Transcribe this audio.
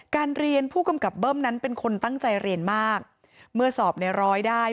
เรียนผู้กำกับเบิ้มนั้นเป็นคนตั้งใจเรียนมากเมื่อสอบในร้อยได้